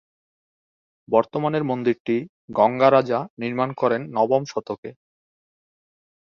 বর্তমানের মন্দিরটি গঙ্গা রাজা নির্মাণ করেন নবমশতকে।